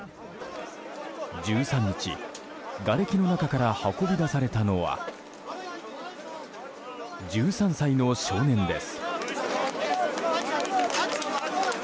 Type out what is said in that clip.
１３日、がれきの中から運び出されたのは１３歳の少年です。